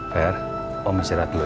fer om istirahat dulu ya